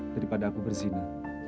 daripada aku berzina